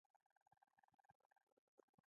آیا دوی اسناد او کتابونه نه ژباړي؟